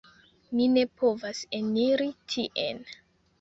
Mi ne povas eniri tien